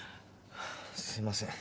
すいません。